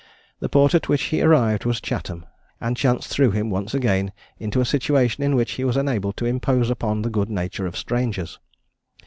The port at which he arrived was Chatham, and chance threw him once again into a situation, in which he was enabled to impose upon the good nature of strangers.